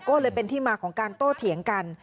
ก็เลยเป็นที่มาของการโต้เถียงกัน